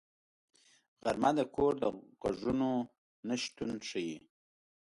غرمه د کور د غږونو نه شتون ښيي